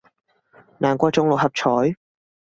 難中過六合彩